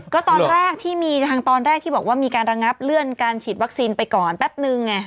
ก็ตอนแรกที่มีทางตอนแรกที่บอกว่ามีการระงับเลื่อนการฉีดวัคซีนไปก่อนแป๊บนึงไง